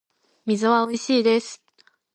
水はおいしいです